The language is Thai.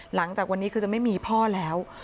หลังจากวันนี้คือจะไม่มีพ่อแล้ว